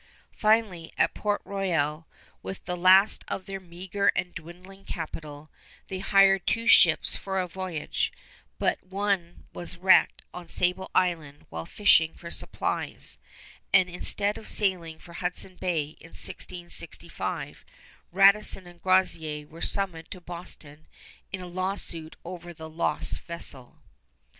Finally, at Port Royal, with the last of their meager and dwindling capital, they hired two ships for a voyage; but one was wrecked on Sable Island while fishing for supplies, and instead of sailing for Hudson Bay in 1665, Radisson and Groseillers were summoned to Boston in a lawsuit over the lost vessel.